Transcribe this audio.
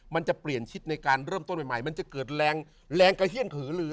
มันจะเปลี่ยนชิดในการเริ่มต้นใหม่มันจะเกิดแรงแรงกระเฮียนเหิน